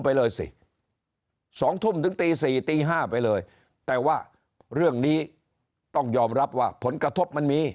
ไปเลยสิ๒ทุ่มถึงตี๔ตี๕ไปเลยแต่ว่าเรื่องนี้ต้องยอมรับว่าผลกระทบมันมี